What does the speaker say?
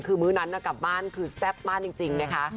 คือมื้อนั้นกลับบ้านคือแซ่บมากจริงนะคะ